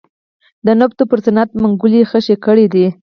د نفتو پر صنعت منګولې خښې کړې دي.